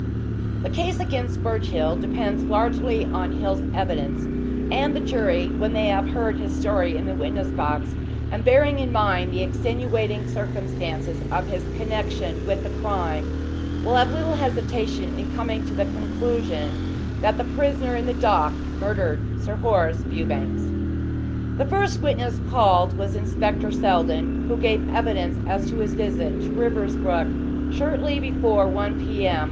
The case against Birchill depends largely on Hill's evidence, and the jury, when they have heard his story in the witness box, and bearing in mind the extenuating circumstances of his connection with the crime, will have little hesitation in coming to the conclusion that the prisoner in the dock murdered Sir Horace Fewbanks." The first witness called was Inspector Seldon, who gave evidence as to his visit to Riversbrook shortly before 1 p. m.